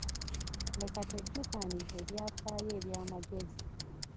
Leka twejjukanye ebyafaayo eby’amagezi.